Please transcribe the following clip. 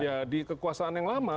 ya di kekuasaan yang lama